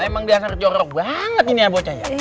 emang dia serjok banget ini ya bocah ya